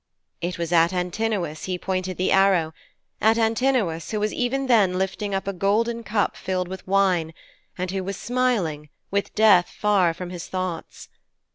It was at Antinous he pointed the arrow at Antinous who was even then lifting up a golden cup filled with wine, and who was smiling, with death far from his thoughts.